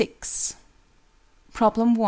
_Problem 1.